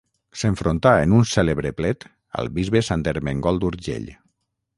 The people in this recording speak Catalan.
S'enfrontà en un cèlebre plet al bisbe Sant Ermengol d'Urgell.